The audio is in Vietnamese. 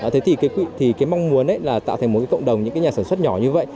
thế thì cái mong muốn là tạo thành một cái cộng đồng những cái nhà sản xuất nhỏ như vậy